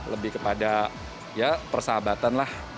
lebih kepada persahabatan lah